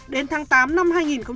đến tháng tám năm hai nghìn một mươi sáu